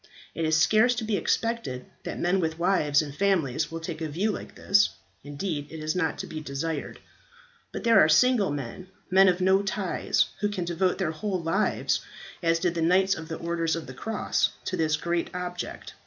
It is scarce to be expected that men with wives and families will take a view like this, indeed it is not to be desired. But there are single men, men of no ties, who can devote their whole lives, as did the Knights of the Orders of the Cross, to this great object.